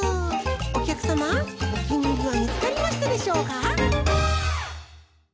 おきゃくさまおきにいりはみつかりましたでしょうか？